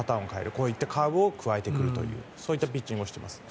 こういったカーブを加えてくるというそういったピッチングをしていますね。